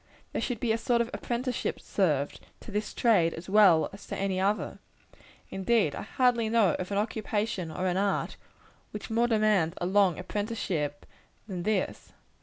There should be a sort of apprenticeship served, to this trade as well as to any other. Indeed, I hardly know of an occupation or an art, which more demands a long apprenticeship, than this.